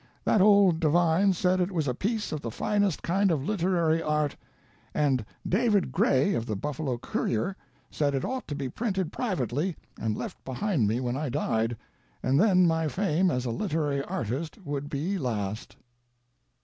That old Divine said it was a piece of the finest kind of literary art and David Gray of the Buffalo Courier said it ought to be printed privately and left behind me when I died, and then my fame as a literary artist would last."